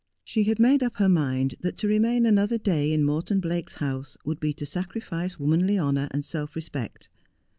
She had made up her mind that to remain another day in Morton Blake's house would be to sacrifice womanly honour and self respect.